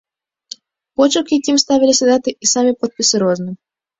Почырк, якім ставіліся даты і самі подпісы, розны.